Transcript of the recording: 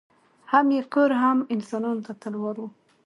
هم یې کور هم انسانانو ته تلوار وو